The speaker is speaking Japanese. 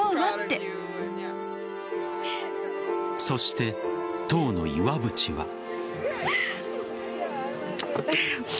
そして、当の岩渕は。